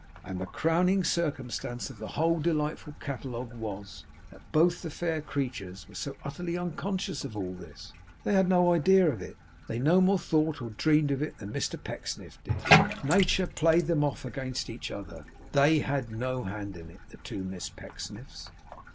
And the crowning circumstance of the whole delightful catalogue was, that both the fair creatures were so utterly unconscious of all this! They had no idea of it. They no more thought or dreamed of it than Mr Pecksniff did. Nature played them off against each other; THEY had no hand in it, the two Miss Pecksniffs.